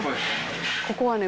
「ここはね